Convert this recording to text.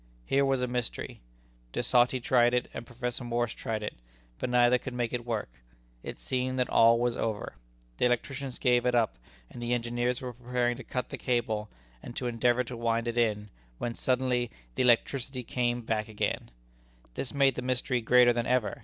Here was a mystery. De Sauty tried it, and Professor Morse tried it. But neither could make it work. It seemed that all was over. The electricians gave it up, and the engineers were preparing to cut the cable, and to endeavor to wind it in, when suddenly the electricity came back again. This made the mystery greater than ever.